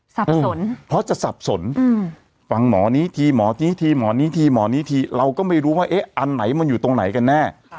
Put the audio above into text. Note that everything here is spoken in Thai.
สับสนเพราะจะสับสนฟังหมอนี้ทีหมอนี้ทีหมอนี้ทีหมอนี้ทีเราก็ไม่รู้ว่าเอ๊ะอันไหนมันอยู่ตรงไหนกันแน่